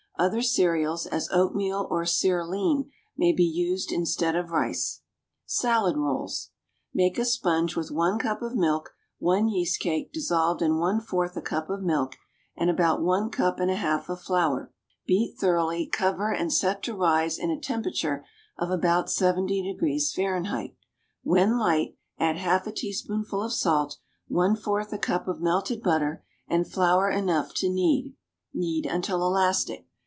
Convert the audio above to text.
Other cereals, as oatmeal or cerealine, may be used instead of rice. =Salad Rolls.= Make a sponge with one cup of milk, one yeastcake dissolved in one fourth a cup of milk, and about one cup and a half of flour; beat thoroughly, cover, and set to rise in a temperature of about 70° Fahr. When light add half a teaspoonful of salt, one fourth a cup of melted butter, and flour enough to knead. Knead until elastic.